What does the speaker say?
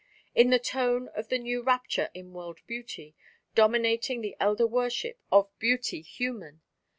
in the tone of the new rapture in world beauty, dominating the elder worship of beauty human?